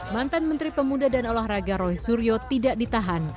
mantan menteri pemuda dan olahraga roy suryo tidak ditahan